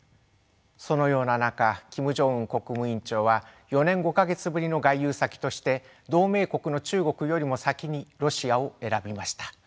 そのような中キム・ジョンウン国務委員長は４年５か月ぶりの外遊先として同盟国の中国よりも先にロシアを選びました。